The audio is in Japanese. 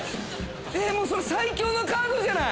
えっもうそれ最強のカードじゃない。